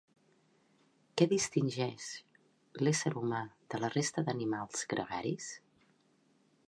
Què distingeix l'ésser humà de la resta d'animals gregaris?